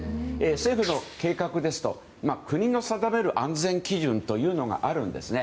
政府の計画ですと国の定める安全基準というのがあるんですね。